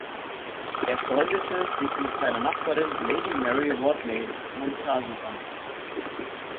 Er freundete sich mit seiner Nachbarin Lady Mary Wortley Montagu an.